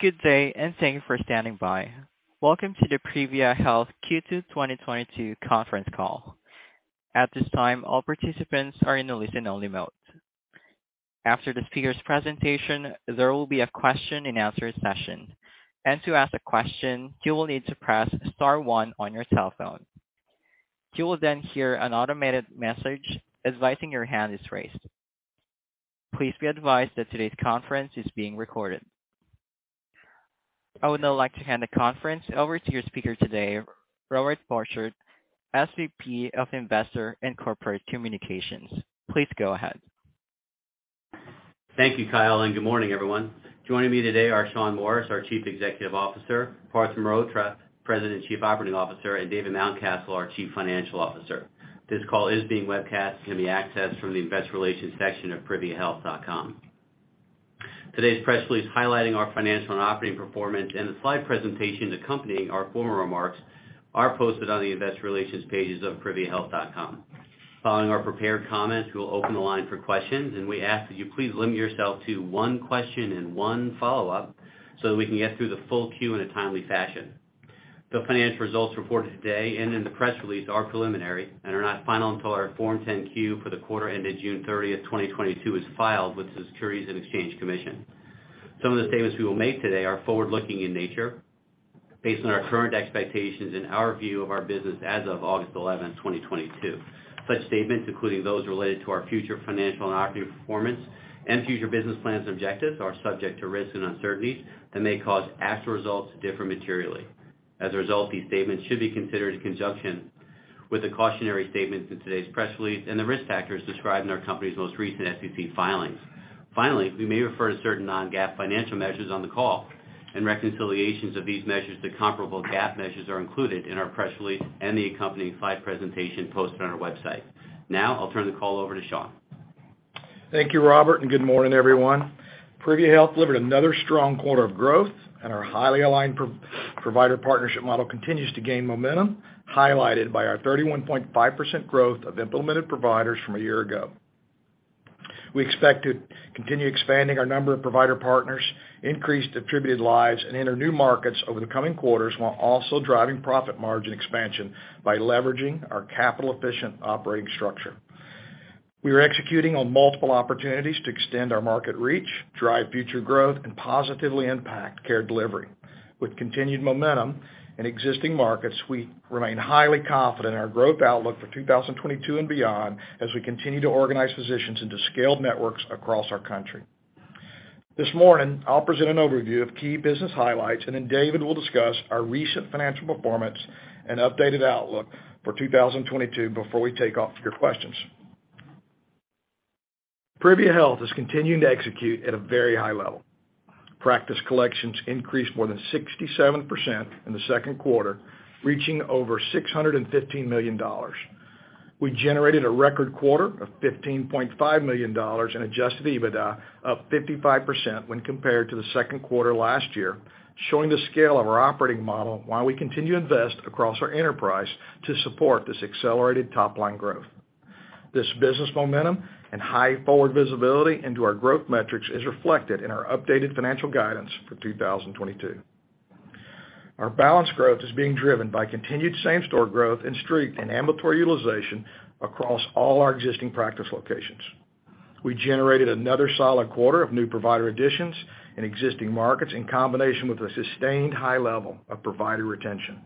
Good day, and thank you for standing by. Welcome to the Privia Health Q2 2022 conference call. At this time, all participants are in a listen-only mode. After the speaker's presentation, there will be a question and answer session. To ask a question, you will need to press star one on your telephone. You will then hear an automated message advising your hand is raised. Please be advised that today's conference is being recorded. I would now like to hand the conference over to your speaker today, Robert Borchert, SVP of Investor & Corporate Communications. Please go ahead. Thank you, Kyle, and good morning, everyone. Joining me today are Shawn Morris, our Chief Executive Officer, Parth Mehrotra, President and Chief Operating Officer, and David Mountcastle, our Chief Financial Officer. This call is being webcast and can be accessed from the investor relations section of priviahealth.com. Today's press release highlighting our financial and operating performance and the slide presentation accompanying our formal remarks are posted on the investor relations pages of priviahealth.com. Following our prepared comments, we will open the line for questions, and we ask that you please limit yourself to one question and one follow-up so that we can get through the full queue in a timely fashion. The financial results reported today and in the press release are preliminary and are not final until our Form 10-Q for the quarter ended June 30, 2022 is filed with the Securities and Exchange Commission. Some of the statements we will make today are forward-looking in nature based on our current expectations in our view of our business as of August 11, 2022. Such statements, including those related to our future financial and operating performance and future business plans objectives, are subject to risks and uncertainties that may cause actual results to differ materially. As a result, these statements should be considered in conjunction with the cautionary statements in today's press release and the risk factors described in our company's most recent SEC filings. Finally, we may refer to certain non-GAAP financial measures on the call, and reconciliations of these measures to comparable GAAP measures are included in our press release and the accompanying slide presentation posted on our website. Now, I'll turn the call over to Shawn. Thank you, Robert, and good morning, everyone. Privia Health delivered another strong quarter of growth, and our highly aligned provider partnership model continues to gain momentum, highlighted by our 31.5% growth of implemented providers from a year ago. We expect to continue expanding our number of provider partners, increase distributed lives, and enter new markets over the coming quarters while also driving profit margin expansion by leveraging our capital-efficient operating structure. We are executing on multiple opportunities to extend our market reach, drive future growth, and positively impact care delivery. With continued momentum in existing markets, we remain highly confident in our growth outlook for 2022 and beyond as we continue to organize physicians into scaled networks across our country. This morning, I'll present an overview of key business highlights, and then David will discuss our recent financial performance and updated outlook for 2022 before we take off your questions. Privia Health is continuing to execute at a very high level. Practice collections increased more than 67% in the second quarter, reaching over $615 million. We generated a record quarter of $15.5 million in adjusted EBITDA, up 55% when compared to the second quarter last year, showing the scale of our operating model while we continue to invest across our enterprise to support this accelerated top-line growth. This business momentum and high forward visibility into our growth metrics is reflected in our updated financial guidance for 2022. Our balanced growth is being driven by continued same-store growth and strength in ambulatory utilization across all our existing practice locations. We generated another solid quarter of new provider additions in existing markets in combination with a sustained high level of provider retention.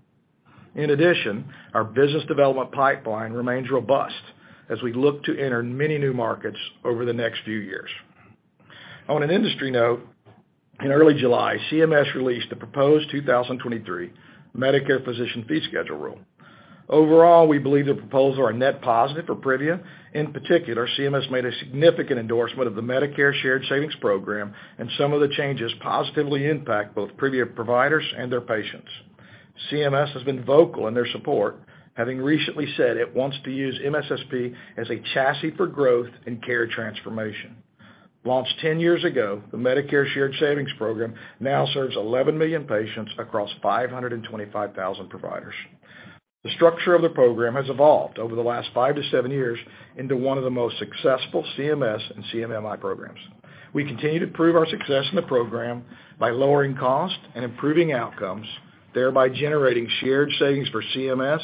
In addition, our business development pipeline remains robust as we look to enter many new markets over the next few years. On an industry note, in early July, CMS released the proposed 2023 Medicare Physician Fee Schedule rule. Overall, we believe the proposals are net positive for Privia. In particular, CMS made a significant endorsement of the Medicare Shared Savings Program, and some of the changes positively impact both Privia providers and their patients. CMS has been vocal in their support, having recently said it wants to use MSSP as a chassis for growth and care transformation. Launched 10 years ago, the Medicare Shared Savings Program now serves 11 million patients across 525,000 providers. The structure of the program has evolved over the last 5-7 years into one of the most successful CMS and CMMI programs. We continue to prove our success in the program by lowering costs and improving outcomes, thereby generating shared savings for CMS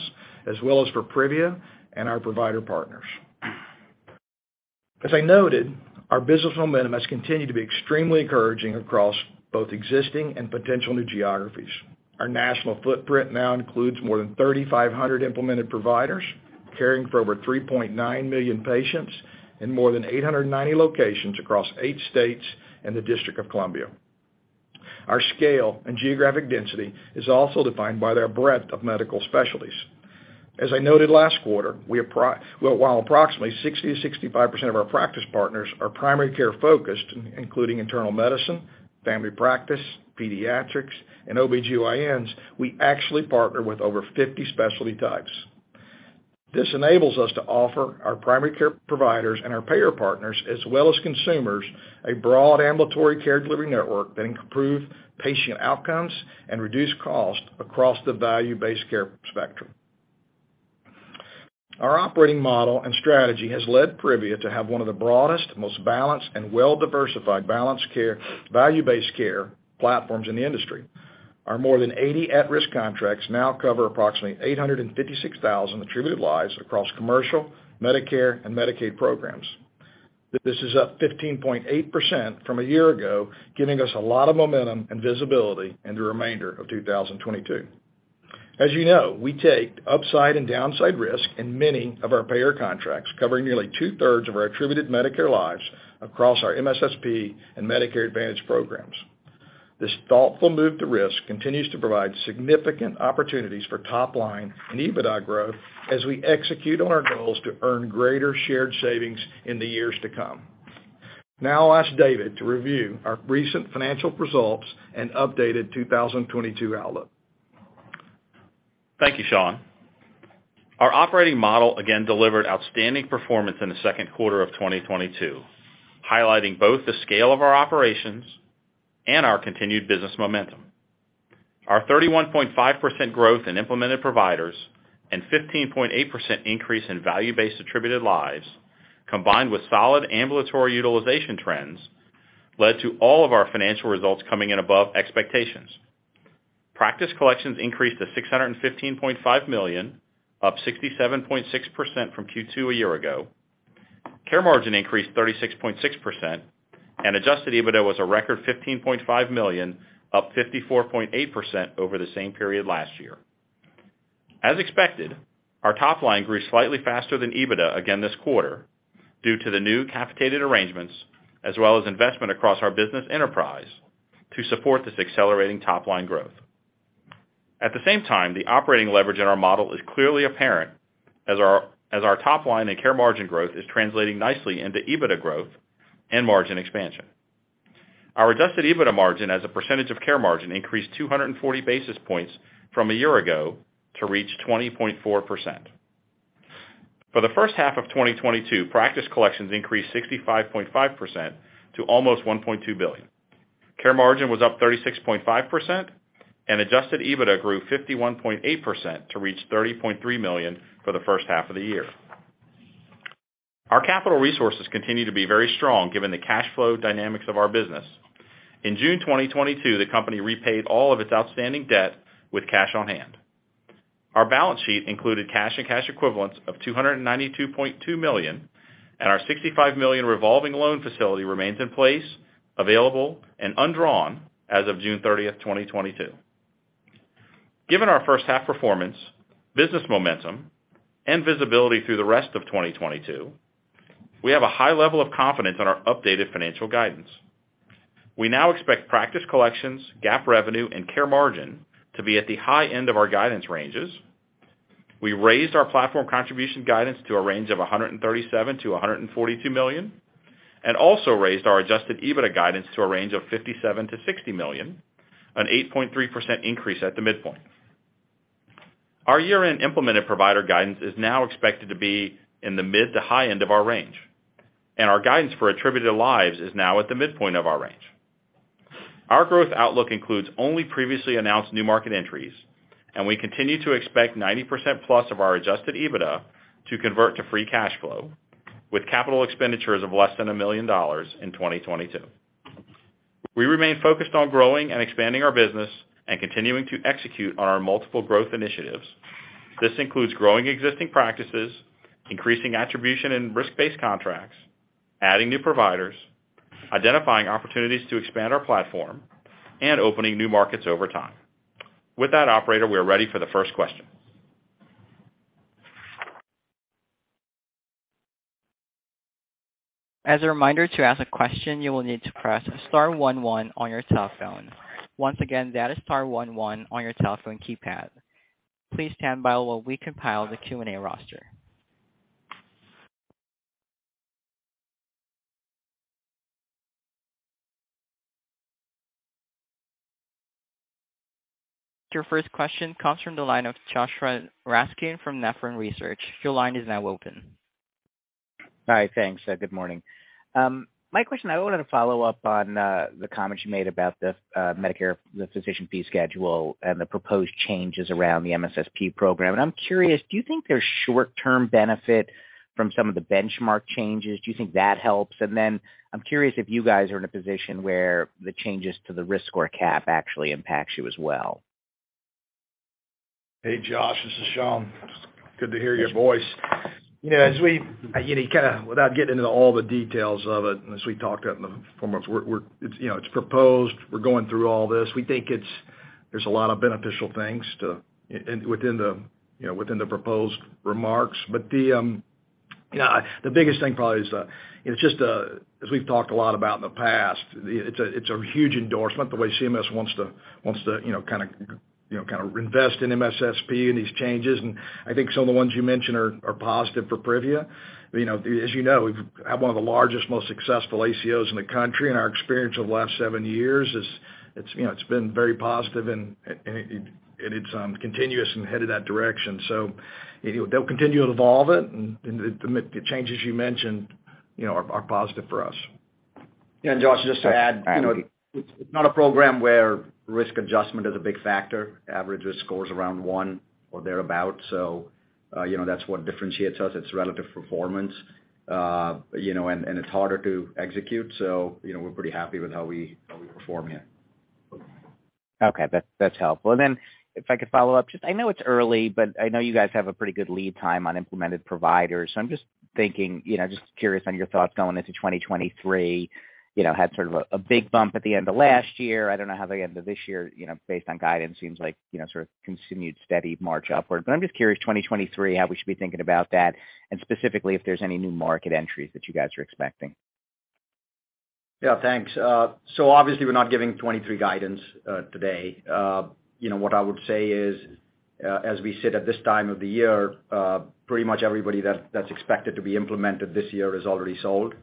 as well as for Privia and our provider partners. As I noted, our business momentum has continued to be extremely encouraging across both existing and potential new geographies. Our national footprint now includes more than 3,500 implemented providers caring for over 3.9 million patients in more than 890 locations across eight states and the District of Columbia. Our scale and geographic density is also defined by their breadth of medical specialties. As I noted last quarter, while approximately 60%-65% of our practice partners are primary care-focused, including internal medicine, family practice, pediatrics, and OBGYNs, we actually partner with over 50 specialty types. This enables us to offer our primary care providers and our payer partners, as well as consumers, a broad ambulatory care delivery network that can improve patient outcomes and reduce costs across the value-based care spectrum. Our operating model and strategy has led Privia to have one of the broadest, most balanced, and well-diversified balanced care, value-based care platforms in the industry. Our more than 80 at-risk contracts now cover approximately 856,000 attributed lives across commercial, Medicare, and Medicaid programs. This is up 15.8% from a year ago, giving us a lot of momentum and visibility in the remainder of 2022. As you know, we take upside and downside risk in many of our payer contracts, covering nearly two-thirds of our attributed Medicare lives across our MSSP and Medicare Advantage programs. This thoughtful move to risk continues to provide significant opportunities for top line and EBITDA growth as we execute on our goals to earn greater shared savings in the years to come. Now I'll ask David to review our recent financial results and updated 2022 outlook. Thank you, Shawn. Our operating model again delivered outstanding performance in the second quarter of 2022, highlighting both the scale of our operations and our continued business momentum. Our 31.5% growth in implemented providers and 15.8% increase in value-based attributed lives, combined with solid ambulatory utilization trends, led to all of our financial results coming in above expectations. Practice collections increased to $615.5 million, up 67.6% from Q2 a year ago. Care margin increased 36.6%, and adjusted EBITDA was a record $15.5 million, up 54.8% over the same period last year. As expected, our top line grew slightly faster than EBITDA again this quarter due to the new capitated arrangements, as well as investment across our business enterprise to support this accelerating top line growth. At the same time, the operating leverage in our model is clearly apparent as our top line and care margin growth is translating nicely into EBITDA growth and margin expansion. Our adjusted EBITDA margin as a percentage of care margin increased 240 basis points from a year ago to reach 20.4%. For the first half of 2022, practice collections increased 65.5% to almost $1.2 billion. Care margin was up 36.5%, and adjusted EBITDA grew 51.8% to reach $30.3 million for the first half of the year. Our capital resources continue to be very strong given the cash flow dynamics of our business. In June 2022, the company repaid all of its outstanding debt with cash on hand. Our balance sheet included cash and cash equivalents of $292.2 million, and our $65 million revolving loan facility remains in place, available, and undrawn as of June 30, 2022. Given our first half performance, business momentum, and visibility through the rest of 2022, we have a high level of confidence in our updated financial guidance. We now expect practice collections, GAAP revenue, and care margin to be at the high end of our guidance ranges. We raised our platform contribution guidance to a range of $137 million-$142 million, and also raised our adjusted EBITDA guidance to a range of $57 million-$60 million, an 8.3% increase at the midpoint. Our year-end implemented provider guidance is now expected to be in the mid to high end of our range, and our guidance for attributed lives is now at the midpoint of our range. Our growth outlook includes only previously announced new market entries, and we continue to expect 90%+ of our adjusted EBITDA to convert to free cash flow, with capital expenditures of less than $1 million in 2022. We remain focused on growing and expanding our business and continuing to execute on our multiple growth initiatives. This includes growing existing practices, increasing attribution in risk-based contracts, adding new providers, identifying opportunities to expand our platform, and opening new markets over time. With that, operator, we are ready for the first question. As a reminder, to ask a question, you will need to press star one one on your telephone. Once again, that is star one one on your telephone keypad. Please stand by while we compile the Q&A roster. Your first question comes from the line of Joshua Raskin from Nephron Research. Your line is now open. Hi. Thanks. Good morning. My question, I wanted to follow up on the comments you made about the Medicare Physician Fee Schedule and the proposed changes around the MSSP program. I'm curious, do you think there's short-term benefit from some of the benchmark changes? Do you think that helps? I'm curious if you guys are in a position where the changes to the risk score cap actually impacts you as well. Hey, Josh, this is Shawn. Good to hear your voice. You know, kind of without getting into all the details of it, and as we talked about in the form we're, it's proposed, we're going through all this. We think there's a lot of beneficial things within the proposed remarks. But the biggest thing probably is, it's just as we've talked a lot about in the past, it's a huge endorsement the way CMS wants to kinda reinvest in MSSP and these changes. I think some of the ones you mentioned are positive for Privia. You know, as you know, we have one of the largest, most successful ACOs in the country, and our experience over the last seven years is, you know, it's been very positive and it's continuous and headed that direction. They'll continue to evolve it, and the changes you mentioned, you know, are positive for us. Joshua, just to add, you know, it's not a program where risk adjustment is a big factor. Average risk score is around one or thereabout. You know, that's what differentiates us. It's relative performance, you know, and it's harder to execute. You know, we're pretty happy with how we perform here. Okay. That's helpful. If I could follow up just. I know it's early, but I know you guys have a pretty good lead time on implemented providers. I'm just thinking, you know, just curious on your thoughts going into 2023. You know, had sort of a big bump at the end of last year. I don't know how the end of this year, you know, based on guidance seems like, you know, sort of continued steady march upward. I'm just curious, 2023, how we should be thinking about that, and specifically if there's any new market entries that you guys are expecting. Yeah, thanks. Obviously, we're not giving 2023 guidance today. You know, what I would say is, as we sit at this time of the year, pretty much everybody that's expected to be implemented this year is already sold.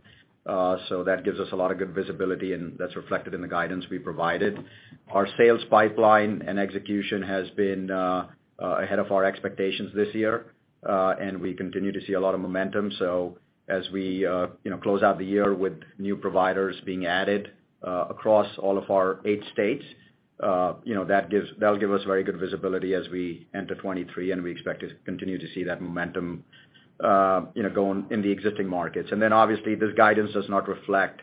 That gives us a lot of good visibility, and that's reflected in the guidance we provided. Our sales pipeline and execution has been ahead of our expectations this year, and we continue to see a lot of momentum. As we, you know, close out the year with new providers being added across all of our eight states, you know, that'll give us very good visibility as we enter 2023, and we expect to continue to see that momentum, you know, going in the existing markets. Then obviously, this guidance does not reflect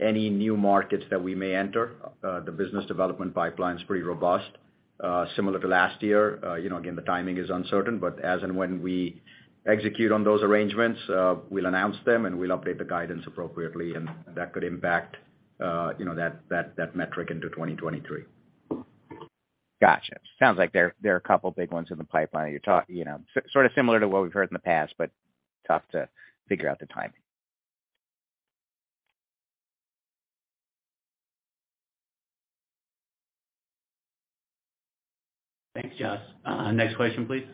any new markets that we may enter. The business development pipeline's pretty robust, similar to last year. You know, again, the timing is uncertain, but as and when we execute on those arrangements, we'll announce them, and we'll update the guidance appropriately, and that could impact, you know, that metric into 2023. Gotcha. Sounds like there are a couple big ones in the pipeline you know, sort of similar to what we've heard in the past, but tough to figure out the timing. Thanks, Josh. Next question, please.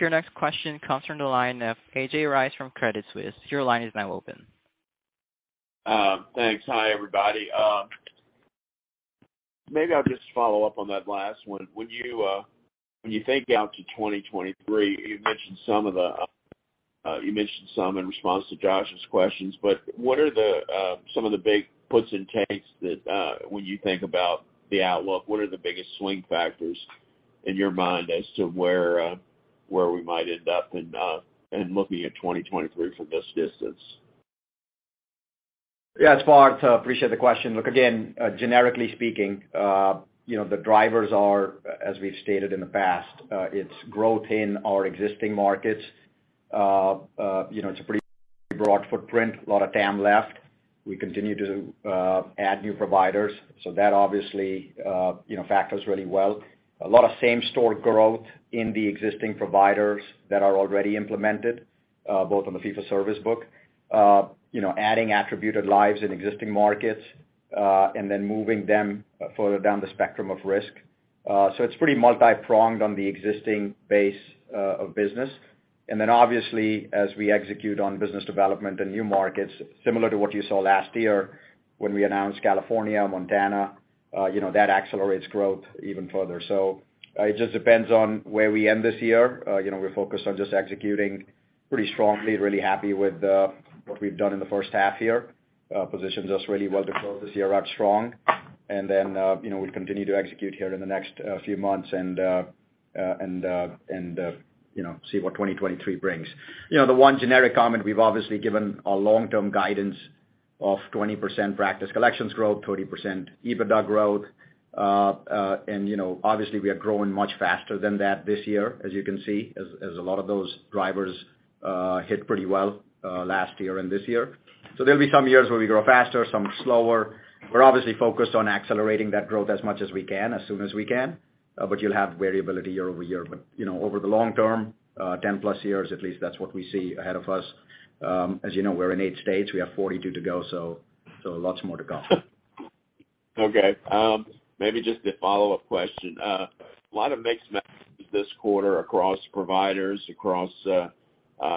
Your next question comes from the line of A.J. Rice from Credit Suisse. Your line is now open. Thanks. Hi, everybody. Maybe I'll just follow up on that last one. When you think out to 2023, you mentioned some in response to Josh's questions, but what are some of the big puts and takes that when you think about the outlook, what are the biggest swing factors in your mind as to where we might end up in looking at 2023 from this distance? Yeah, it's Parth. Appreciate the question. Look, again, generically speaking, you know, the drivers are, as we've stated in the past, it's growth in our existing markets. You know, it's a pretty broad footprint, a lot of TAM left. We continue to add new providers. So that obviously, you know, factors really well. A lot of same-store growth in the existing providers that are already implemented, both on the fee-for-service book. You know, adding attributed lives in existing markets, and then moving them further down the spectrum of risk. So it's pretty multi-pronged on the existing base of business. Then obviously, as we execute on business development in new markets, similar to what you saw last year when we announced California, Montana, you know, that accelerates growth even further. It just depends on where we end this year. You know, we're focused on just executing pretty strongly, really happy with what we've done in the first half here. Positions us really well to close this year out strong. You know, we continue to execute here in the next few months and you know, see what 2023 brings. You know, the one generic comment, we've obviously given our long-term guidance of 20% practice collections growth, 30% EBITDA growth. You know, obviously, we are growing much faster than that this year, as you can see, as a lot of those drivers hit pretty well last year and this year. There'll be some years where we grow faster, some slower. We're obviously focused on accelerating that growth as much as we can, as soon as we can. You'll have variability year-over-year. You know, over the long term, 10+ years at least, that's what we see ahead of us. As you know, we're in eight states, we have 42 to go, so lots more to come. Okay. Maybe just a follow-up question. A lot of mixed messages this quarter across providers, across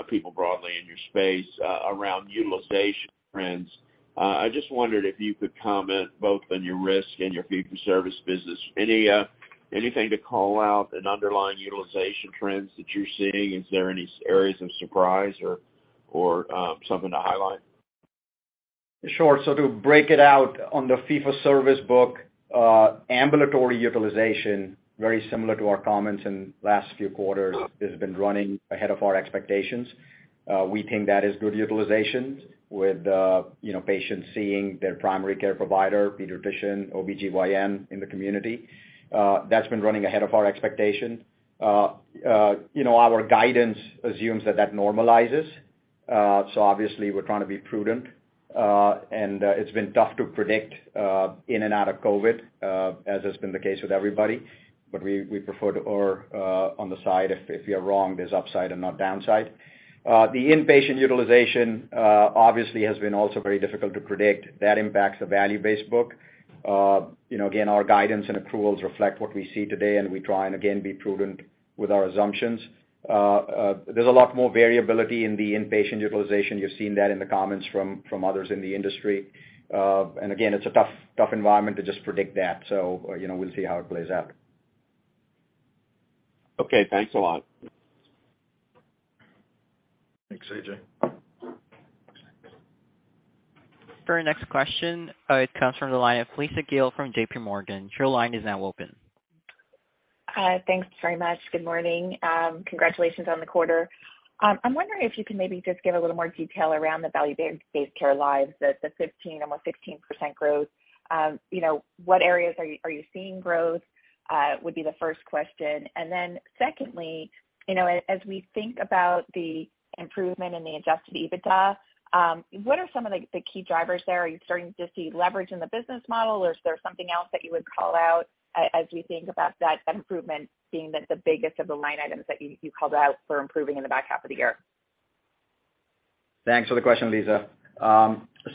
people broadly in your space around utilization trends. I just wondered if you could comment both on your risk and your fee-for-service business. Anything to call out in underlying utilization trends that you're seeing? Is there any areas of surprise or something to highlight? Sure. To break it out on the fee-for-service book, ambulatory utilization, very similar to our comments in last few quarters, has been running ahead of our expectations. We think that is good utilization with, you know, patients seeing their primary care provider, pediatrician, OBGYN in the community. That's been running ahead of our expectation. You know, our guidance assumes that that normalizes. Obviously we're trying to be prudent, and it's been tough to predict, in and out of COVID, as has been the case with everybody. We prefer to err on the side if you're wrong, there's upside and not downside. The inpatient utilization obviously has been also very difficult to predict. That impacts the value-based book. You know, again, our guidance and approvals reflect what we see today, and we try and again be prudent with our assumptions. There's a lot more variability in the inpatient utilization. You're seeing that in the comments from others in the industry. Again, it's a tough environment to just predict that. You know, we'll see how it plays out. Okay, thanks a lot. Thanks, A.J. For your next question, it comes from the line of Lisa Gill from JPMorgan. Your line is now open. Thanks very much. Good morning. Congratulations on the quarter. I'm wondering if you can maybe just give a little more detail around the value-based care lives, the 15, almost 16% growth. You know, what areas are you seeing growth? Would be the first question. Secondly, you know, as we think about the improvement in the adjusted EBITDA, what are some of the key drivers there? Are you starting to see leverage in the business model, or is there something else that you would call out as we think about that improvement being the biggest of the line items that you called out for improving in the back half of the year? Thanks for the question, Lisa.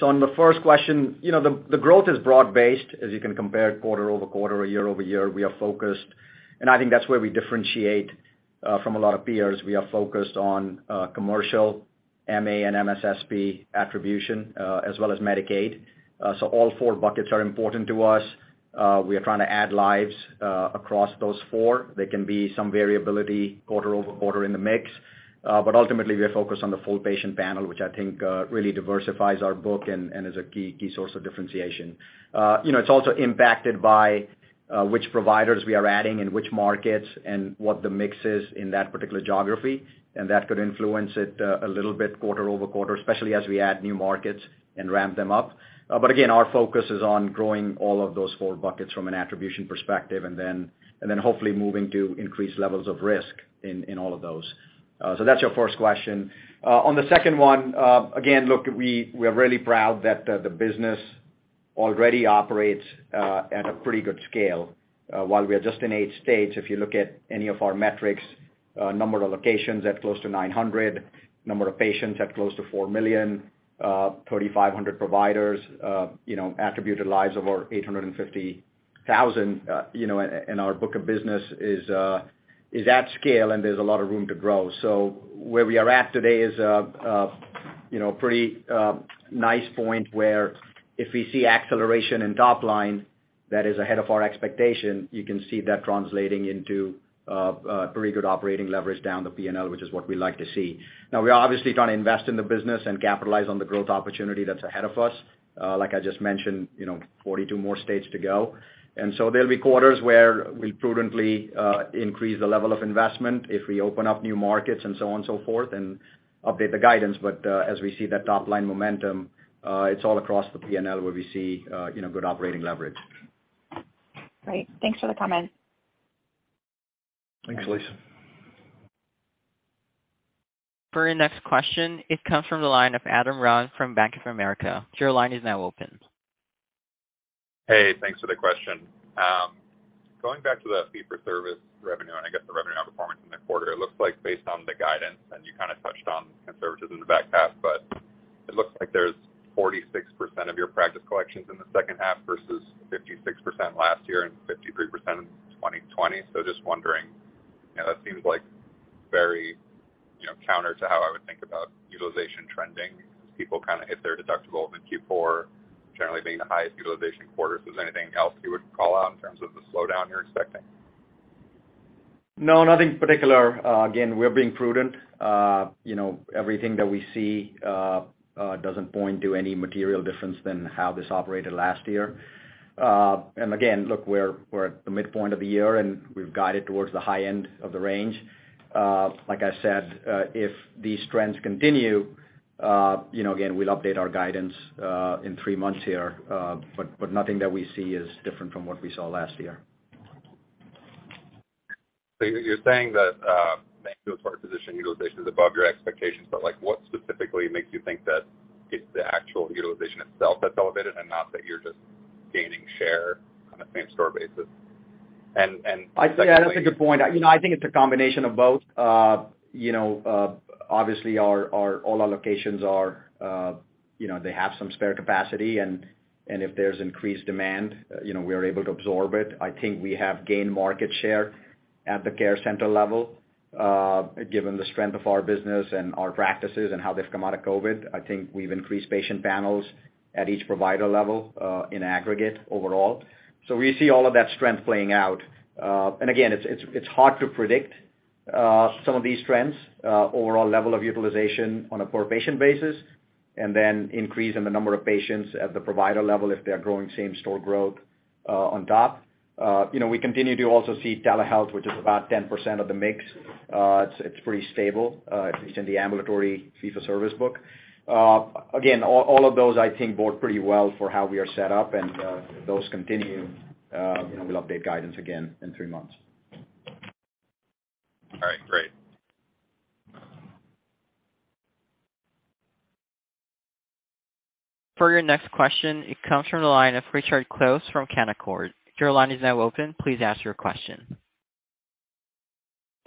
On the first question, you know, the growth is broad-based, as you can compare quarter-over-quarter or year-over-year. We are focused, and I think that's where we differentiate from a lot of peers. We are focused on commercial MA and MSSP attribution, as well as Medicaid. All four buckets are important to us. We are trying to add lives across those four. There can be some variability quarter-over-quarter in the mix, but ultimately, we are focused on the full patient panel, which I think really diversifies our book and is a key source of differentiation. You know, it's also impacted by which providers we are adding and which markets and what the mix is in that particular geography, and that could influence it a little bit quarter over quarter, especially as we add new markets and ramp them up. Our focus is on growing all of those four buckets from an attribution perspective and then hopefully moving to increased levels of risk in all of those. That's your first question. On the second one, again, look, we are really proud that the business already operates at a pretty good scale. While we are just in eight states, if you look at any of our metrics, number of locations at close to 900, number of patients at close to 4 million, 3,500 providers, you know, attributed lives of over 850,000, you know, and our book of business is at scale, and there's a lot of room to grow. Where we are at today is, you know, pretty nice point where if we see acceleration in top line that is ahead of our expectation, you can see that translating into pretty good operating leverage down the P&L, which is what we like to see. Now, we are obviously trying to invest in the business and capitalize on the growth opportunity that's ahead of us. Like I just mentioned, you know, 42 more states to go. There'll be quarters where we prudently increase the level of investment if we open up new markets and so on and so forth and update the guidance. As we see that top-line momentum, it's all across the P&L where we see, you know, good operating leverage. Great. Thanks for the comment. Thanks, Lisa. For your next question, it comes from the line of Adam Ron from Bank of America. Your line is now open. Hey, thanks for the question. Going back to the fee for service revenue, and I guess the revenue outperformance in the quarter, it looks like based on the guidance, and you kind of touched on conservatism in the back half, but it looks like there's 46% of your practice collections in the second half versus 56% last year and 53% in 2020. Just wondering, you know, that seems like very, you know, counter to how I would think about utilization trending because people kind of hit their deductible in Q4 generally being the highest utilization quarter. Is there anything else you would call out in terms of the slowdown you're expecting? No, nothing particular. Again, we're being prudent. You know, everything that we see doesn't point to any material difference than how this operated last year. Again, look, we're at the midpoint of the year, and we've guided towards the high end of the range. Like I said, if these trends continue, you know, again, we'll update our guidance in three months here. Nothing that we see is different from what we saw last year. You're saying that, thanks to a strong position, utilization is above your expectations, but, like, what specifically makes you think that it's the actual utilization itself that's elevated and not that you're just gaining share on a same store basis? Yeah, that's a good point. You know, I think it's a combination of both. You know, obviously our locations are, you know, they have some spare capacity, and if there's increased demand, you know, we are able to absorb it. I think we have gained market share at the care center level, given the strength of our business and our practices and how they've come out of COVID. I think we've increased patient panels at each provider level, in aggregate overall. So we see all of that strength playing out. And again, it's hard to predict some of these trends, overall level of utilization on a per patient basis, and then increase in the number of patients at the provider level if they're growing same store growth, on top. You know, we continue to also see telehealth, which is about 10% of the mix. It's pretty stable, at least in the ambulatory fee for service book. Again, all of those I think bode pretty well for how we are set up, and if those continue, you know, we'll update guidance again in three months. All right, great. For your next question, it comes from the line of Richard Close from Canaccord. Your line is now open. Please ask your question.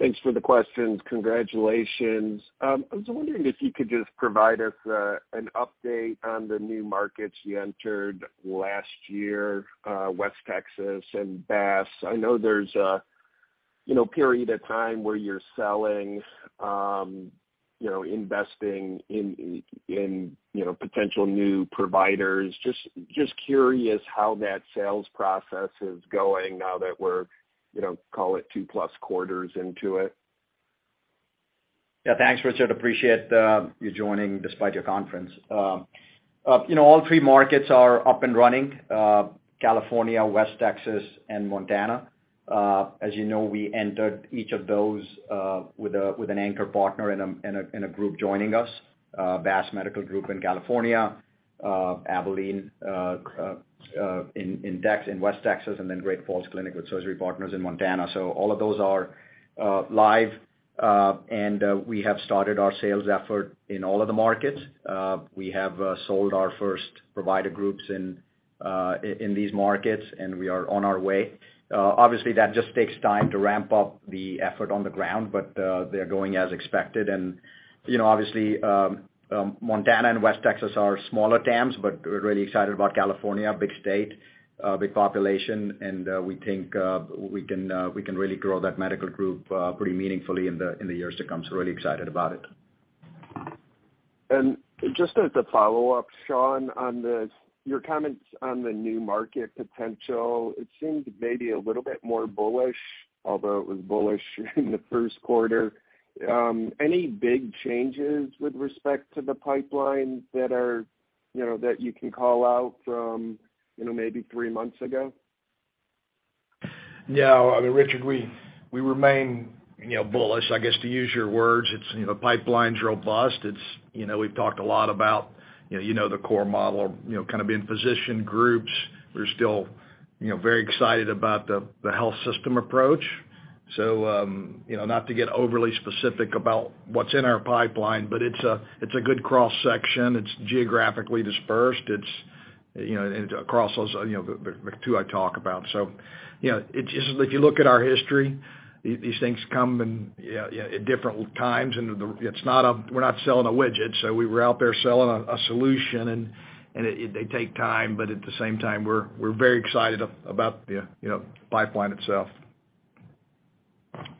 Thanks for the questions. Congratulations. I was wondering if you could just provide us an update on the new markets you entered last year, West Texas and BASS. I know there's a, you know, period of time where you're selling, you know, investing in, you know, potential new providers. Just curious how that sales process is going now that we're, you know, call it two-plus quarters into it. Yeah. Thanks, Richard. Appreciate you joining despite your conference. You know, all three markets are up and running, California, West Texas, and Montana. As you know, we entered each of those with an anchor partner and a group joining us, Vista Medical Group in California, Abilene in West Texas, and then Great Falls Clinic with Surgery Partners in Montana. All of those are live, and we have started our sales effort in all of the markets. We have sold our first provider groups in these markets, and we are on our way. Obviously, that just takes time to ramp up the effort on the ground, but they're going as expected. You know, obviously, Montana and West Texas are smaller TAMs, but we're really excited about California, big state, big population, and we think we can really grow that medical group pretty meaningfully in the years to come. Really excited about it. Just as a follow-up, Shawn, on this, your comments on the new market potential, it seems maybe a little bit more bullish, although it was bullish in the first quarter. Any big changes with respect to the pipeline that are, you know, that you can call out from, you know, maybe three months ago? Yeah. I mean, Richard, we remain, you know, bullish, I guess, to use your words. It's, you know, pipeline's robust. It's, you know, we've talked a lot about, you know, the core model, you know, kind of being physician groups. We're still, you know, very excited about the health system approach. You know, not to get overly specific about what's in our pipeline, but it's a good cross-section. It's geographically dispersed. It's, you know, and across, as you know, the two I talk about. You know, it's just if you look at our history, these things come in, you know, yeah, at different times, and it's not a widget, so we're out there selling a solution, and they take time. At the same time, we're very excited about the, you know, pipeline itself.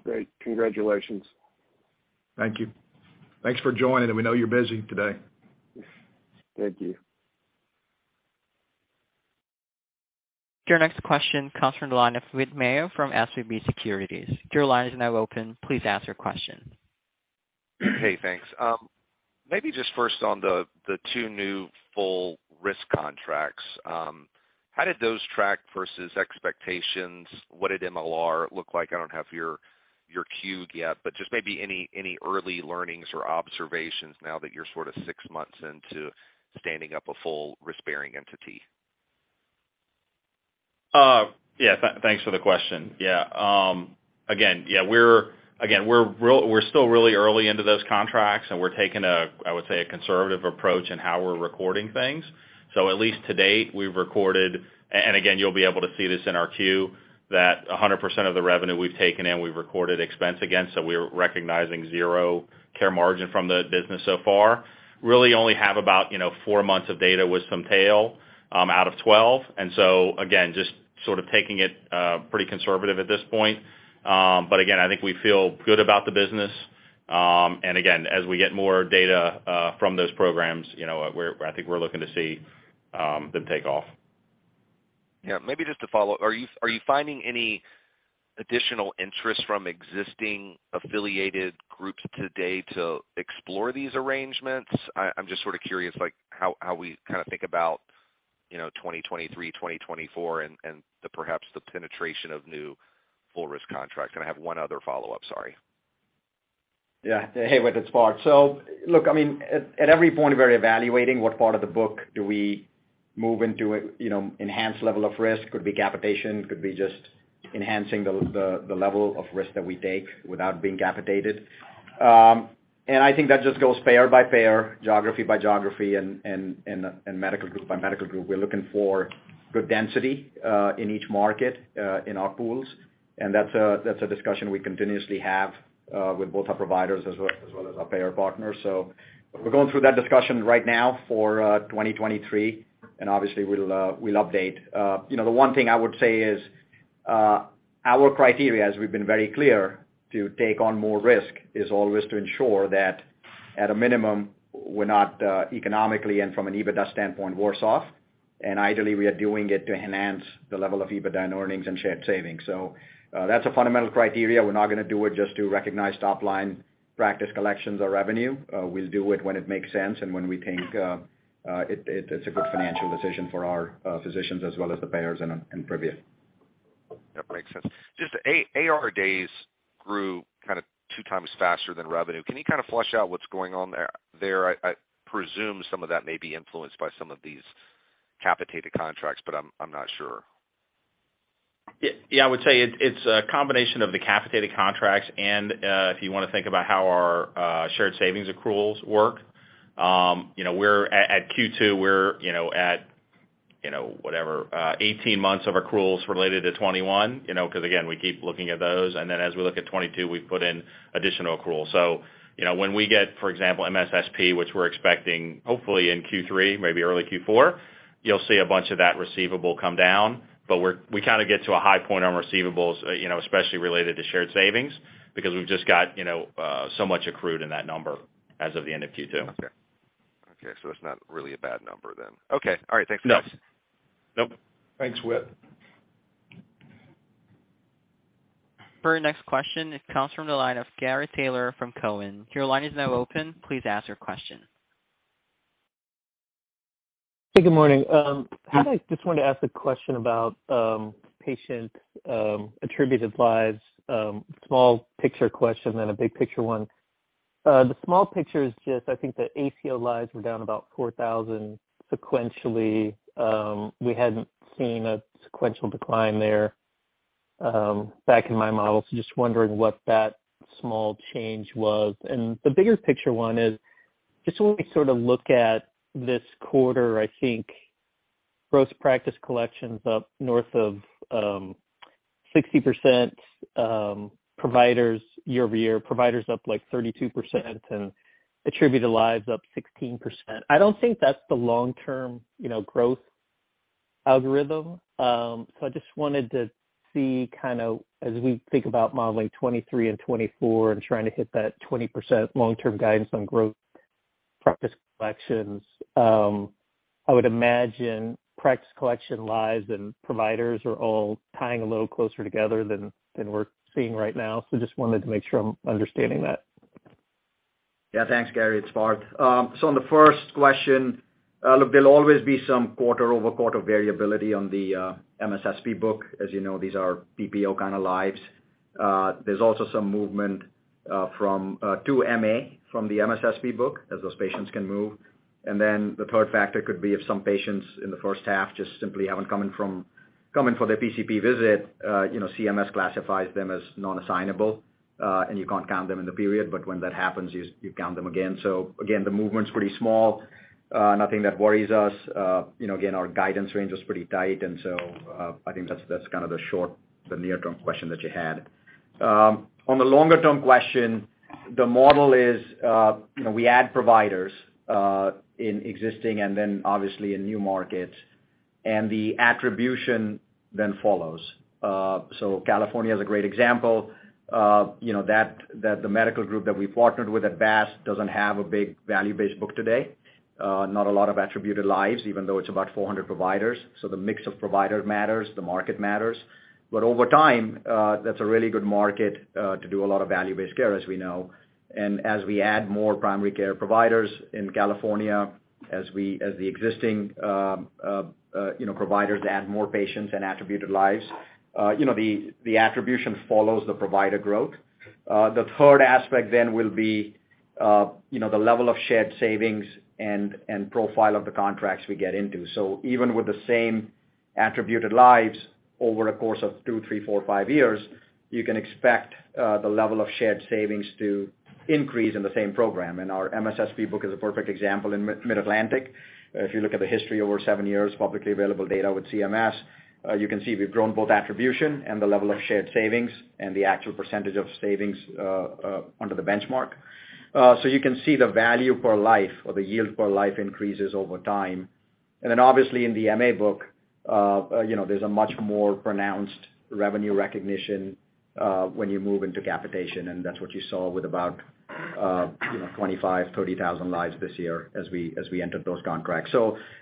Great. Congratulations. Thank you. Thanks for joining, and we know you're busy today. Thank you. Your next question comes from the line of Whit Mayo from SVB Securities. Your line is now open. Please ask your question. Hey, thanks. Maybe just first on the two new full risk contracts. How did those track versus expectations? What did MLR look like? I don't have your Q yet, but just maybe any early learnings or observations now that you're sort of six months into standing up a full risk-bearing entity. Thanks for the question. Again, we're still really early into those contracts, and we're taking a conservative approach in how we're recording things. At least to date, we've recorded, and again, you'll be able to see this in our 10-Q, that 100% of the revenue we've taken in, we've recorded expense against, so we're recognizing zero care margin from the business so far. Really only have about, you know, four months of data with some tail out of 12. Again, just sort of taking it pretty conservative at this point. But again, I think we feel good about the business. Again, as we get more data from those programs, you know, we're, I think we're looking to see them take off. Yeah. Maybe just to follow up. Are you finding any additional interest from existing affiliated groups today to explore these arrangements? I'm just sort of curious, like, how we kind of think about, you know, 2023, 2024 and the perhaps the penetration of new full risk contracts. I have one other follow-up. Sorry. Yeah. Hey, Whit, it's Parth. Look, I mean, at every point, we're evaluating what part of the book do we move into a, you know, enhanced level of risk, could be capitation, could be just enhancing the level of risk that we take without being capitated. I think that just goes payer by payer, geography by geography, and medical group by medical group. We're looking for good density in each market in our pools, and that's a discussion we continuously have with both our providers as well as our payer partners. We're going through that discussion right now for 2023, and obviously we'll update. You know, the one thing I would say is, our criteria, as we've been very clear, to take on more risk, is always to ensure that at a minimum, we're not economically and from an EBITDA standpoint worse off. Ideally, we are doing it to enhance the level of EBITDA and earnings and shared savings. That's a fundamental criteria. We're not gonna do it just to recognize top line practice collections or revenue. We'll do it when it makes sense and when we think it's a good financial decision for our physicians as well as the payers and Privia. That makes sense. Just AR days grew kind of 2x faster than revenue. Can you kind of flesh out what's going on there? I presume some of that may be influenced by some of these capitated contracts, but I'm not sure. I would say it's a combination of the capitated contracts and if you wanna think about how our shared savings accruals work. We're at Q2, whatever 18 months of accruals related to 2021, 'cause again, we keep looking at those. Then as we look at 2022, we put in additional accrual. When we get, for example, MSSP, which we're expecting hopefully in Q3, maybe early Q4, you'll see a bunch of that receivable come down. We're kind of get to a high point on receivables, especially related to shared savings because we've just got so much accrued in that number as of the end of Q2. Okay. Okay. It's not really a bad number then. Okay. All right. Thanks, guys. No. Nope. Thanks, Whit. For our next question, it comes from the line of Gary Taylor from Cowen. Your line is now open. Please ask your question. Hey, good morning. I just wanted to ask a question about patient attributed lives, small picture question, then a big picture one. The small picture is just, I think the ACO lives were down about 4,000 sequentially. We hadn't seen a sequential decline there back in my model. So just wondering what that small change was. The bigger picture one is just when we sort of look at this quarter, I think gross practice collections up north of 60%, providers year over year, providers up, like, 32% and attributed lives up 16%. I don't think that's the long-term, you know, growth algorithm. I just wanted to see kind of, as we think about modeling 2023 and 2024 and trying to hit that 20% long-term guidance on growth practice collections, I would imagine practice collection lives and providers are all tying a little closer together than we're seeing right now. Just wanted to make sure I'm understanding that. Yeah. Thanks, Gary. It's Parth. So on the first question, look, there'll always be some quarter-over-quarter variability on the MSSP book. As you know, these are PPO kind of lives. There's also some movement from to MA from the MSSP book as those patients can move. The third factor could be if some patients in the first half just simply haven't come in for their PCP visit, you know, CMS classifies them as non-assignable, and you can't count them in the period. When that happens, you count them again. Again, the movement's pretty small. Nothing that worries us. You know, again, our guidance range is pretty tight, and so I think that's the near-term question that you had. On the longer-term question, the model is, you know, we add providers in existing and then obviously in new markets, and the attribution then follows. California is a great example. You know that the medical group that we've partnered with at BASS doesn't have a big value-based book today. Not a lot of attributed lives, even though it's about 400 providers. The mix of providers matters, the market matters. Over time, that's a really good market to do a lot of value-based care, as we know. As we add more primary care providers in California, as the existing providers add more patients and attributed lives, you know, the attribution follows the provider growth. The third aspect will be, you know, the level of shared savings and profile of the contracts we get into. Even with the same attributed lives over a course of two, three, four, five years, you can expect the level of shared savings to increase in the same program. Our MSSP book is a perfect example in Mid-Atlantic. If you look at the history over seven years, publicly available data with CMS, you can see we've grown both attribution and the level of shared savings and the actual percentage of savings under the benchmark. You can see the value per life or the yield per life increases over time. Obviously in the MA book, you know, there's a much more pronounced revenue recognition when you move into capitation, and that's what you saw with about 25,000-30,000 lives this year as we entered those contracts.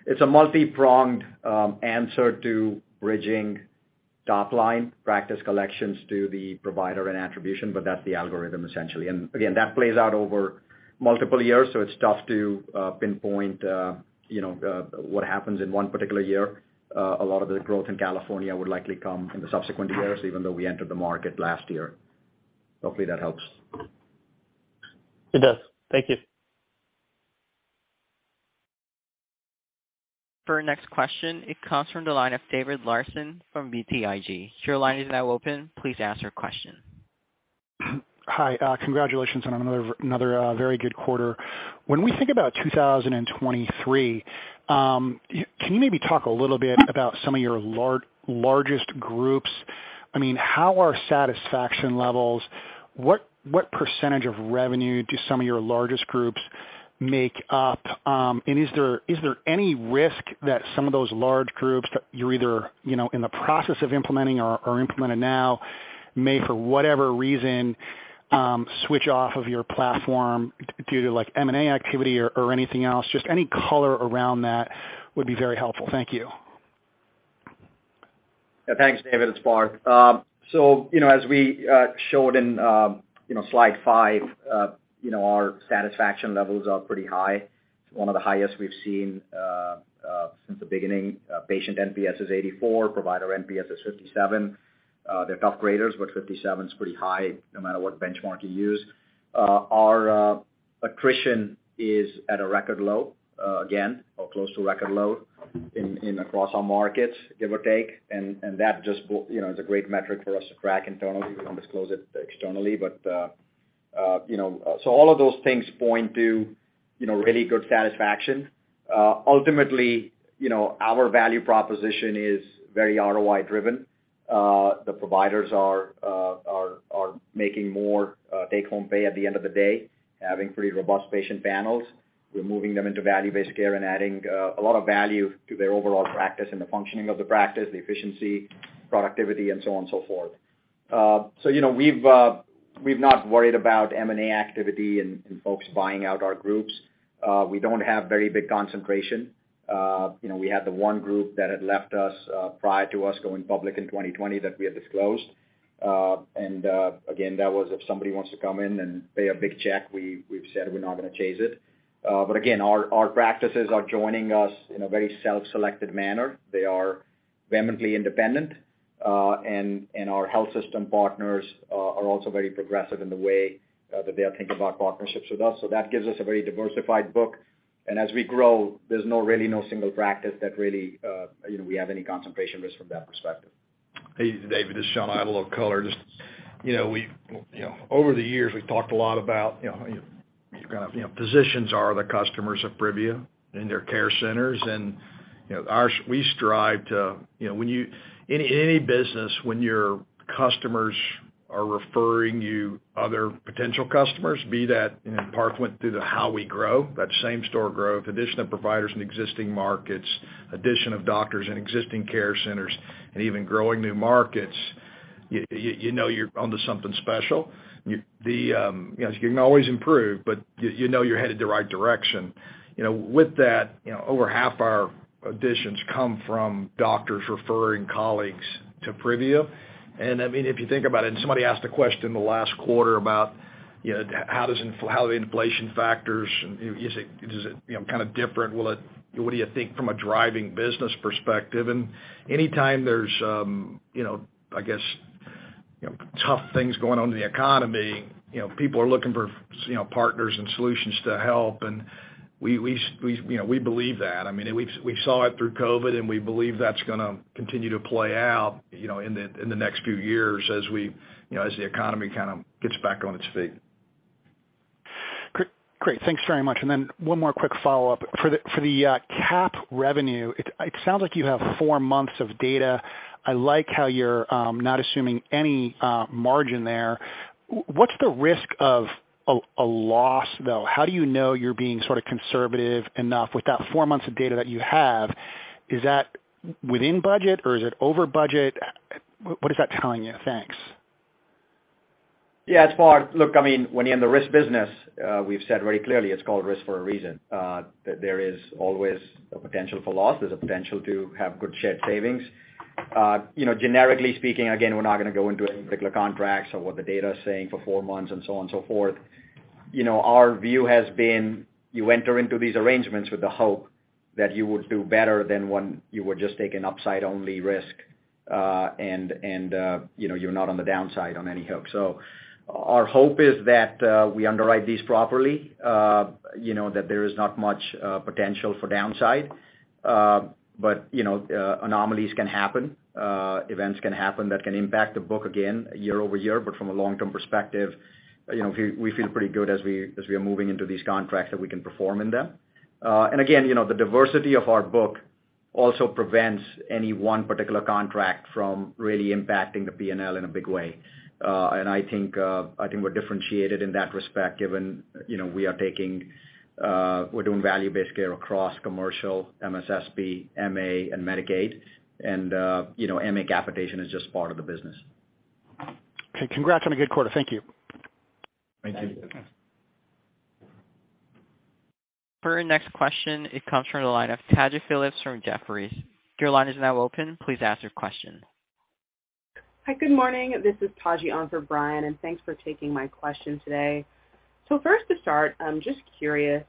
It's a multi-pronged answer to bridging top line practice collections to the provider and attribution, but that's the algorithm essentially. Again, that plays out over multiple years, so it's tough to pinpoint what happens in one particular year. A lot of the growth in California would likely come in the subsequent years, even though we entered the market last year. Hopefully, that helps. It does. Thank you. For our next question, it comes from the line of David Larsen from BTIG. Your line is now open. Please ask your question. Hi. Congratulations on another very good quarter. When we think about 2023, can you maybe talk a little bit about some of your largest groups? I mean, how are satisfaction levels? What percentage of revenue do some of your largest groups make up? And is there any risk that some of those large groups that you're either, you know, in the process of implementing or implemented now may, for whatever reason, switch off of your platform due to, like, M&A activity or anything else? Just any color around that would be very helpful. Thank you. Yeah. Thanks, David. It's Parth. You know, as we showed in, you know, slide five, you know, our satisfaction levels are pretty high. It's one of the highest we've seen since the beginning. Patient NPS is 84, provider NPS is 57. They're tough graders, but 57 is pretty high no matter what benchmark you use. Our attrition is at a record low, again, or close to record low across our markets, give or take. That just you know, is a great metric for us to track internally. We don't disclose it externally, but you know. All of those things point to, you know, really good satisfaction. Ultimately, you know, our value proposition is very ROI driven. The providers are making more take-home pay at the end of the day, having pretty robust patient panels. We're moving them into value-based care and adding a lot of value to their overall practice and the functioning of the practice, the efficiency, productivity and so on and so forth. You know, we've not worried about M&A activity and folks buying out our groups. We don't have very big concentration. You know, we had the one group that had left us prior to us going public in 2020 that we had disclosed. Again, that was if somebody wants to come in and pay a big check, we've said we're not gonna chase it. Again, our practices are joining us in a very self-selected manner. They are vehemently independent, and our health system partners are also very progressive in the way that they are thinking about partnerships with us. That gives us a very diversified book. As we grow, there's really no single practice that really, you know, we have any concentration risk from that perspective. Hey, David, this is Shawn. I have a little color. Just, you know, we, you know, over the years, we've talked a lot about, you know, kind of, you know, physicians are the customers of Privia and their care centers. You know, we strive to, you know, in any business, when your customers are referring you other potential customers, be that, you know, in part we went through how we grow, that same-store growth, addition of providers in existing markets, addition of doctors in existing care centers, and even growing new markets, you know you're onto something special. You know, you can always improve, but you know you're headed the right direction. You know, with that, you know, over half our additions come from doctors referring colleagues to Privia. I mean, if you think about it, somebody asked a question in the last quarter about how the inflation factors. Is it kind of different? What do you think from a driving business perspective? Anytime there's, you know, I guess, tough things going on in the economy, you know, people are looking for partners and solutions to help. We believe that. I mean, we saw it through COVID, and we believe that's gonna continue to play out, you know, in the next few years as the economy kind of gets back on its feet. Great. Thanks very much. Then one more quick follow-up. For the capitation revenue, it sounds like you have four months of data. I like how you're not assuming any margin there. What's the risk of a loss, though? How do you know you're being sort of conservative enough with that four months of data that you have? Is that within budget, or is it over budget? What is that telling you? Thanks. Yeah. It's Parth. Look, I mean, when you're in the risk business, we've said very clearly, it's called risk for a reason. There is always a potential for loss. There's a potential to have good shared savings. You know, generically speaking, again, we're not gonna go into any particular contracts or what the data is saying for four months and so on and so forth. You know, our view has been, you enter into these arrangements with the hope that you would do better than when you were just taking upside-only risk, and you know, you're not on the downside on the hook. Our hope is that we underwrite these properly, you know, that there is not much potential for downside. You know, anomalies can happen, events can happen that can impact the book again year over year. From a long-term perspective, you know, we feel pretty good as we are moving into these contracts that we can perform in them. Again, you know, the diversity of our book also prevents any one particular contract from really impacting the P&L in a big way. I think we're differentiated in that respect, given, you know, we're doing value-based care across commercial, MSSP, MA, and Medicaid. You know, MA capitation is just part of the business. Okay. Congrats on a good quarter. Thank you. Thank you. For our next question, it comes from the line of Taji Phillips from Jefferies. Your line is now open. Please ask your question. Hi. Good morning. This is Taji on for Brian, and thanks for taking my question today. First to start, I'm just curious,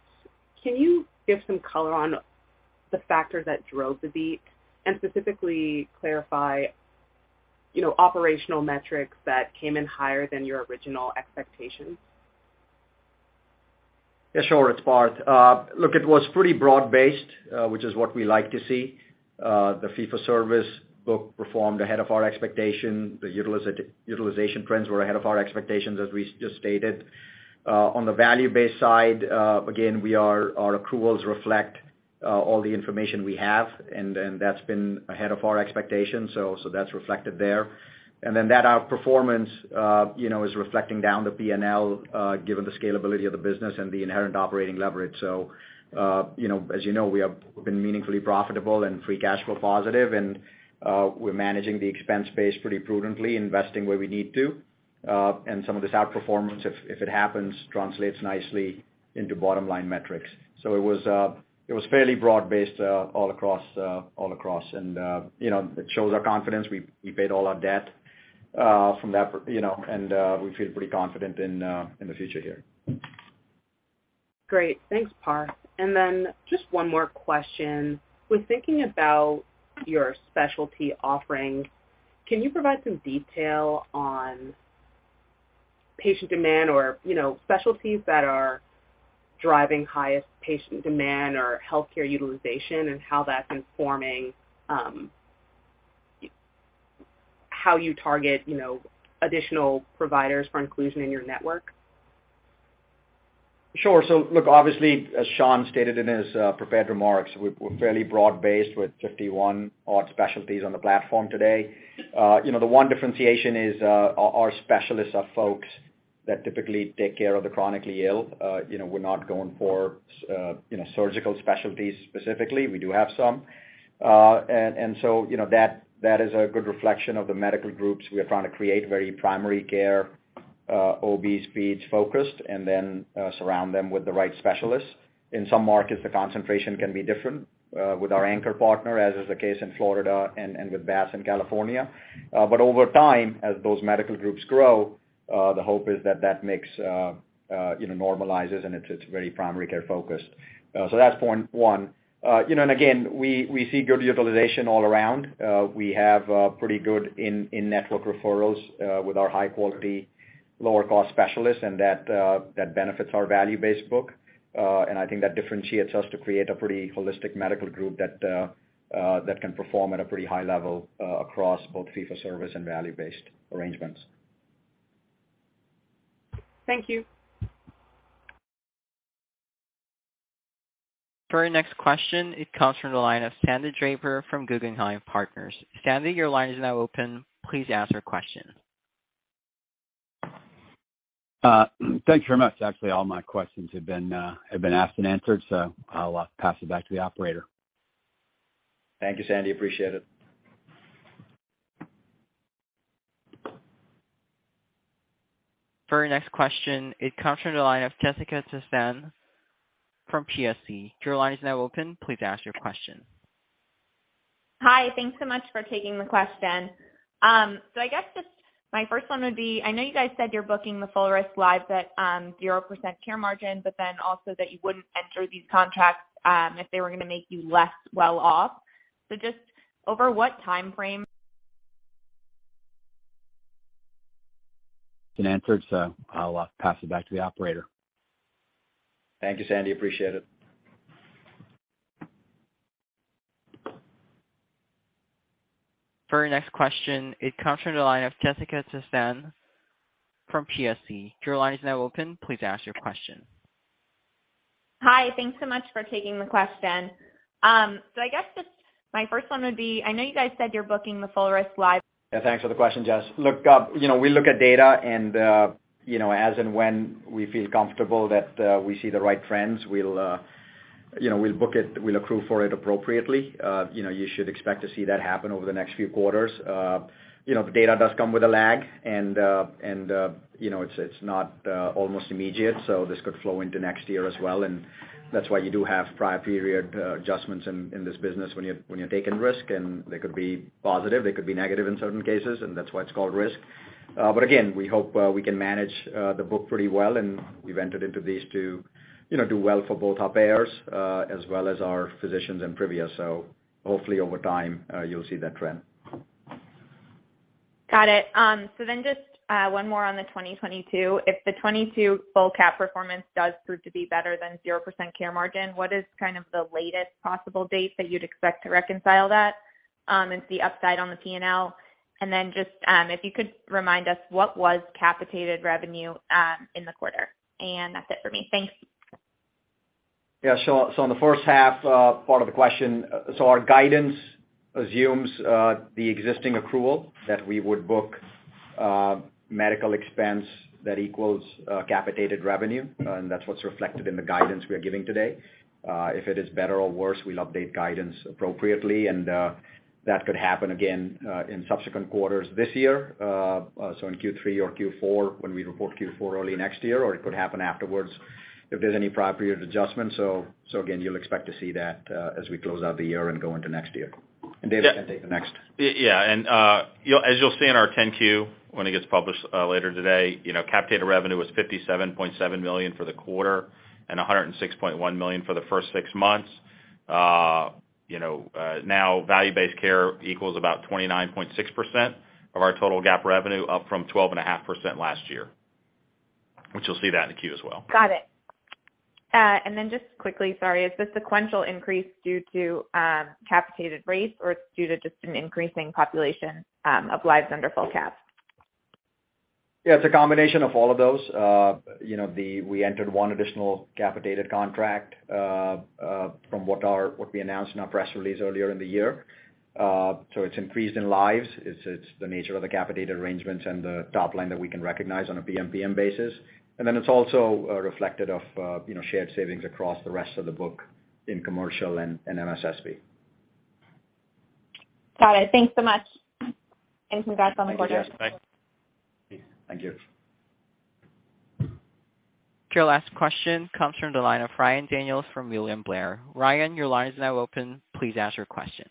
can you give some color on the factors that drove the beat and specifically clarify, you know, operational metrics that came in higher than your original expectations? Yeah, sure. It's Parth. Look, it was pretty broad-based, which is what we like to see. The fee-for-service book performed ahead of our expectation. The utilization trends were ahead of our expectations, as we just stated. On the value-based side, again, our accruals reflect all the information we have, and that's been ahead of our expectations. That's reflected there. That outperformance, you know, is reflecting down the P&L, given the scalability of the business and the inherent operating leverage. You know, as you know, we have been meaningfully profitable and free cash flow positive, and we're managing the expense base pretty prudently, investing where we need to. Some of this outperformance, if it happens, translates nicely into bottom-line metrics. It was fairly broad-based all across. You know, it shows our confidence. We paid all our debt from that, you know, and we feel pretty confident in the future here. Great. Thanks, Parth. Just one more question. When thinking about your specialty offerings, can you provide some detail on patient demand or, you know, specialties that are driving highest patient demand or healthcare utilization and how that's informing how you target, you know, additional providers for inclusion in your network? Sure. Look, obviously, as Shawn stated in his prepared remarks, we're fairly broad-based with 51 odd specialties on the platform today. You know, the one differentiation is, our specialists are folks that typically take care of the chronically ill. You know, we're not going for surgical specialties specifically. We do have some. And so you know, that is a good reflection of the medical groups. We are trying to create very primary care, OB/Peds focused and then surround them with the right specialists. In some markets, the concentration can be different with our anchor partner, as is the case in Florida and with BASS in California. Over time, as those medical groups grow, the hope is that that makes you know normalizes, and it's very primary care focused. That's point one. You know, again, we see good utilization all around. We have pretty good in-network referrals with our high quality, lower cost specialists and that benefits our value-based book. I think that differentiates us to create a pretty holistic medical group that that can perform at a pretty high level across both fee for service and value-based arrangements. Thank you. For our next question, it comes from the line of Sandy Draper from Guggenheim Partners. Sandy, your line is now open. Please ask your question. Thanks very much. Actually, all my questions have been asked and answered, so I'll pass it back to the operator. Thank you, Sandy. Appreciate it. For our next question, it comes from the line of Jessica Tassan from PSE. Your line is now open. Please ask your question. Hi. Thanks so much for taking the question. I guess just my first one would be, I know you guys said you're booking the full risk lives at 0% care margin, but then also that you wouldn't enter these contracts, if they were gonna make you less well off. Just over what time frame? Yeah, thanks for the question, Jess. Look, you know, we look at data and, you know, as and when we feel comfortable that we see the right trends, we'll, you know, we'll book it, we'll accrue for it appropriately. You know, you should expect to see that happen over the next few quarters. You know, the data does come with a lag and you know, it's not almost immediate, so this could flow into next year as well, and that's why you do have prior period adjustments in this business when you're taking risk, and they could be positive, they could be negative in certain cases, and that's why it's called risk. Again, we hope we can manage the book pretty well, and we've entered into these too, you know, do well for both our payers as well as our physicians and Privia. Hopefully over time, you'll see that trend. Got it. Just one more on the 2022. If the 2022 full cap performance does prove to be better than 0% care margin, what is kind of the latest possible date that you'd expect to reconcile that, and see upside on the P&L? Just if you could remind us what was capitated revenue in the quarter. That's it for me. Thanks. Yeah, sure. On the first half, part of the question, our guidance assumes the existing accrual that we would book medical expense that equals capitated revenue, and that's what's reflected in the guidance we are giving today. If it is better or worse, we'll update guidance appropriately, and that could happen again in subsequent quarters this year, so in Q3 or Q4, when we report Q4 early next year, or it could happen afterwards if there's any prior period adjustments. So again, you'll expect to see that as we close out the year and go into next year. David can take the next. Yeah. You'll see in our 10-Q when it gets published later today, you know, capitated revenue was $57.7 million for the quarter and $106.1 million for the first six months. You know, now value-based care equals about 29.6% of our total GAAP revenue, up from 12.5% last year, which you'll see that in the 10-Q as well. Got it. Just quickly, sorry, is the sequential increase due to capitated rates or it's due to just an increasing population of lives under full cap? Yeah, it's a combination of all of those. You know, we entered one additional capitated contract from what we announced in our press release earlier in the year. It's increased in lives. It's the nature of the capitated arrangements and the top line that we can recognize on a PMPM basis. It's also reflected of you know, shared savings across the rest of the book in commercial and in MSSP. Got it. Thanks so much. Congrats on the quarter. Thank you. Thank you. Your last question comes from the line of Ryan Daniels from William Blair. Ryan, your line is now open. Please ask your question.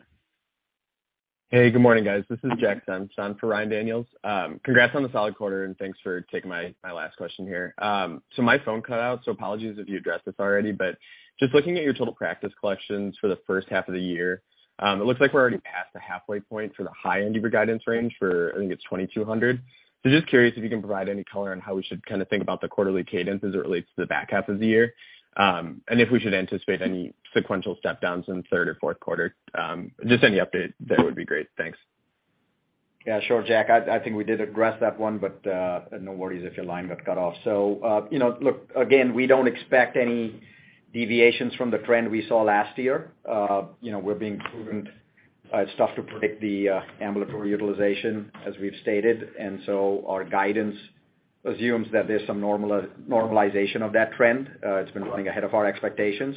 Hey, good morning, guys. This is Jack Slevin. I'm standing in for Ryan Daniels. Congrats on the solid quarter, and thanks for taking my last question here. My phone cut out, so apologies if you addressed this already. Just looking at your total practice collections for the first half of the year, it looks like we're already past the halfway point for the high end of your guidance range for I think it's $2,200. Just curious if you can provide any color on how we should kind of think about the quarterly cadence as it relates to the back half of the year, and if we should anticipate any sequential step downs in the third or fourth quarter. Just any update there would be great. Thanks. Yeah, sure, Jack. I think we did address that one, but no worries if your line got cut off. You know, look, again, we don't expect any deviations from the trend we saw last year. You know, we're being prudent, tough to predict the ambulatory utilization as we've stated. Our guidance assumes that there's some normalization of that trend. It's been running ahead of our expectations.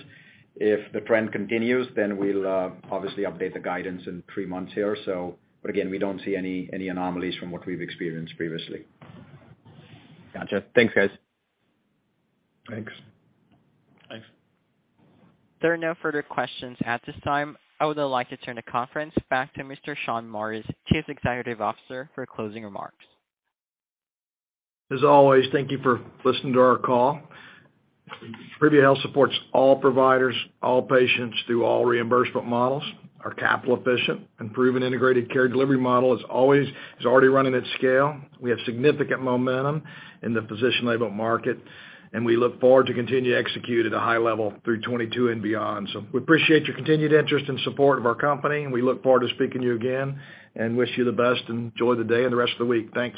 If the trend continues, then we'll obviously update the guidance in 3 months here. Again, we don't see any anomalies from what we've experienced previously. Gotcha. Thanks, guys. Thanks. Thanks. There are no further questions at this time. I would now like to turn the conference back to Mr. Shawn Morris, Chief Executive Officer, for closing remarks. As always, thank you for listening to our call. Privia Health supports all providers, all patients through all reimbursement models, our capital efficient and proven integrated care delivery model as always, is already running at scale. We have significant momentum in the physician-enabled market, and we look forward to continue to execute at a high level through 2022 and beyond. We appreciate your continued interest and support of our company, and we look forward to speaking to you again and wish you the best and enjoy the day and the rest of the week. Thanks.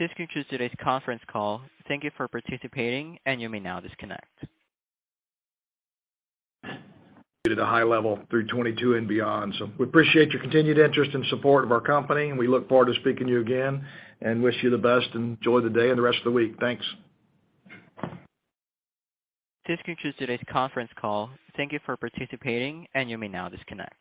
This concludes today's conference call. Thank you for participating, and you may now disconnect. At a high level through 2022 and beyond. We appreciate your continued interest and support of our company, and we look forward to speaking to you again and wish you the best and enjoy the day and the rest of the week. Thanks. This concludes today's conference call. Thank you for participating, and you may now disconnect.